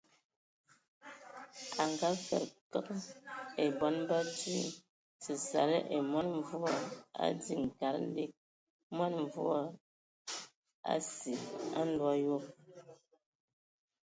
A ngaakəd keŋ e bɔn ba ntwi, səsala və mɔn mvua, a diŋiŋ kad lig mɔn mvua asig a nlo ayob.